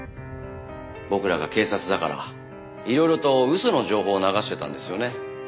僕らが警察だからいろいろと嘘の情報を流してたんですよね？